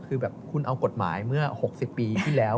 คือแบบคุณเอากฎหมายเมื่อ๖๐ปีที่แล้ว